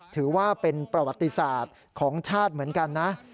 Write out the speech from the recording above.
ถือว่าเป็นประวัติศาสตร์ของชาติเหมือนกันนะ